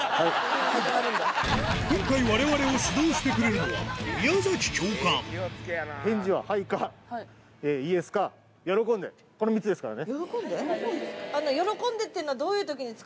今回われわれを指導してくれるのはこの３つですからね。